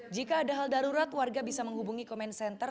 jika ada hal darurat warga bisa menghubungi komen center satu ratus dua belas